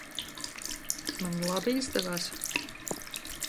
Man labi izdevās?